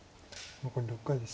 残り６回です。